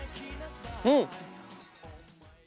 うん！